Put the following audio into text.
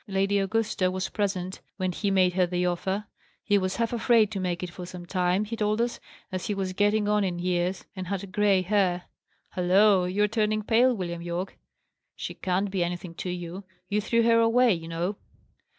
Lady Augusta was present when he made her the offer. He was half afraid to make it for some time, he told us, as he was getting on in years, and had grey hair. Halloa! you are turning pale, William Yorke. She can't be anything to you! You threw her away, you know."